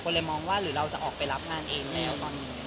เลยมองว่าหรือเราจะออกไปรับงานเองแล้วตอนนี้